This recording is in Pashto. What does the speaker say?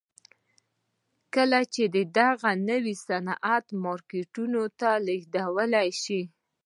کله چې دغه نوی صنعت مارکیټونو ته ولېږل شو